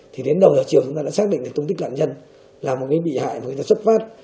thì đến đầu chiều chúng ta đã xác định tung tích nạn nhân là một vị hại mà chúng ta xuất phát